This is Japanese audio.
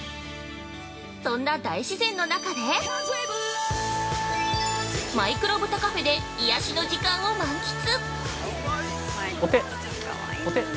そんな大自然の中でマイクロブタカフェで癒しの時間を満喫！